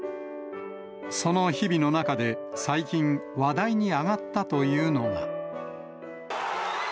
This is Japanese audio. その日々の中で、最近、話題に上がったというのが。